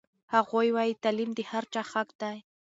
هغوی وایي چې تعلیم د هر چا حق دی.